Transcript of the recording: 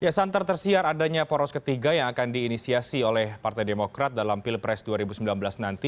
ya santar tersiar adanya poros ketiga yang akan diinisiasi oleh partai demokrat dalam pilpres dua ribu sembilan belas nanti